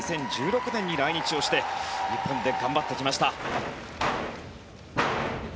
２０１６年に来日して日本で頑張ってきました。